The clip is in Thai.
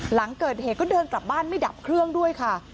หลังเกิดเหตุก็เดินกลับบ้านไม่ดับเครื่องด้วยค่ะ